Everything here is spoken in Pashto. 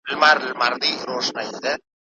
که ټولي ميرمني د يوې ميرمني په سفر راضي سوې.